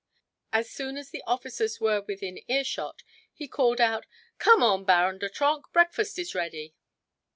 As soon as the officers were within ear shot, he called out: "Come on, Baron de Trenck, breakfast is ready."